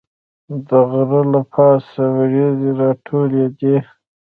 د غره له پاسه وریځې راټولېدې.